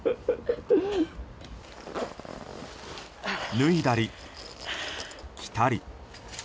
脱いだり、着たり。